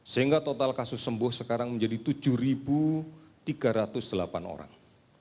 sehingga total kasus sembuh sekarang menjadi tujuh tiga ratus delapan orang